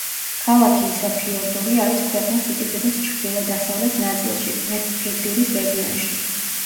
ქალაქი ისაფიორდური არის ქვეყნის უკიდურეს ჩრდილო დასავლეთ ნაწილში ვესტფირდირის რეგიონში.